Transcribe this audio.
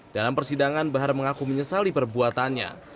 dalam persidangan bahar mengaku menyesali perbuatannya